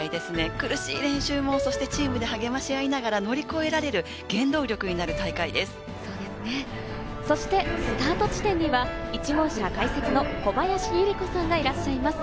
苦しい練習もチームで励まし合いながら乗り越えられスタート地点には１号車解説の小林祐梨子さんがいらっしゃいます。